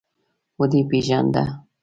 _ودې پېژانده؟